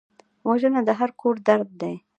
وژنه د هر کور درد دی